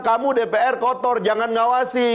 kamu dpr kotor jangan ngawasi